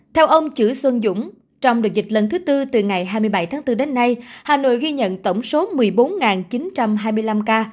theo ông chử xuân dũng trong đợt dịch lần thứ tư từ ngày hai mươi bảy tháng bốn đến nay hà nội ghi nhận tổng số một mươi bốn chín trăm hai mươi năm ca